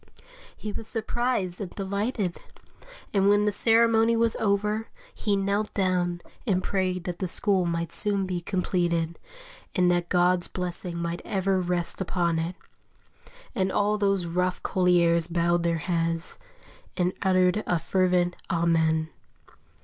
He was surprised and delighted; and when the ceremony was over, he knelt down and prayed that the school might soon be completed, and that God's blessing might ever rest upon it; and all those rough colliers bowed their heads, and uttered a fervent "Amen."